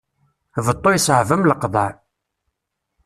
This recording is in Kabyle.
Beṭṭu yeṣɛeb am leqḍaɛ.